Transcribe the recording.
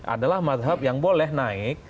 adalah mazhab yang boleh naik